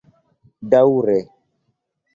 daŭre